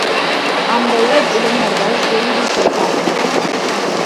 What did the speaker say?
அந்த ஊர் இளைஞர்கள் செய்தி கேட்டார்கள்.